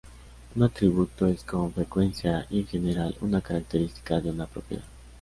Un atributo es con frecuencia y en general una característica de una propiedad.